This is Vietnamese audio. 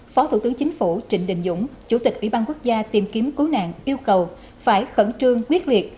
phó thủ tướng chính phủ trịnh đình dũng chủ tịch ủy ban quốc gia tìm kiếm cứu nạn yêu cầu phải khẩn trương quyết liệt